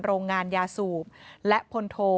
โรงงานยาสูบและพลโท